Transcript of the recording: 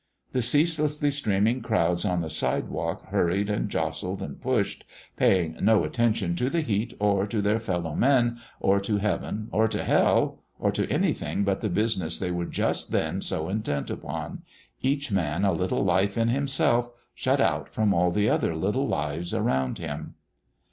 The ceaselessly streaming crowds on the sidewalk hurried and jostled and pushed, paying no attention to the heat or to their fellow men or to heaven or to hell, or to anything but the business they were just then so intent upon each man a little life in himself shut out from all the other little lives around him.